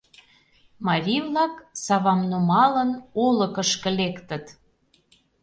Марий-влак, савам нумалын, олыкышко лектыт.